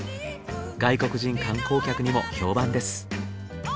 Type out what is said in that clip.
外国人観光客にも評判です。